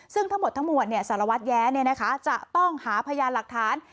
ซึ่งทั้งหมดทั้งมวลสารวัตรแย้จะต้องหาพยานหลักฐาน